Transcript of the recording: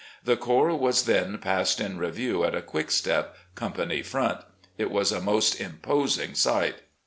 The corps was then passed in review at a quick step, company front. It was a most imposing sight.